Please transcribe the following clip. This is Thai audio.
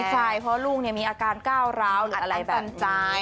น้อยใจเพราะลูกเนี่ยมีอาการก้าวร้าวหรืออะไรแบบนี้